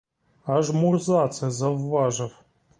Аж мурза це завважив.